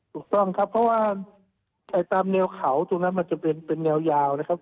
ถูกต้องครับเพราะว่าตามแนวเขาตรงนั้นมันจะเป็นแนวยาวนะครับ